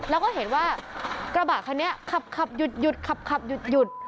แล้วก็เห็นว่ากระบาดคันนี้ขับหยุด